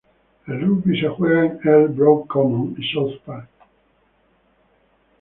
El Rugby se juega en Eel Brooke Common y South Park.